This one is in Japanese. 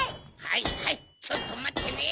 はいはいちょっとまってね！